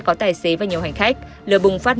có tài xế và nhiều hành khách lửa bùng phát